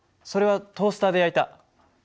それはトースターで焼いた。